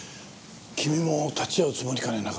君も立ち会うつもりかね？